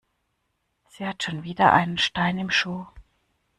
Sie hat schon wieder einen Stein im Schuh.